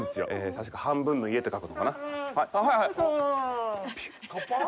たしか、半分の家って書くのかな。